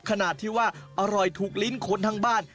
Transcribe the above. ขนาดที่ว่าอร่อยถูกลิ้นคนทั้งบ้าน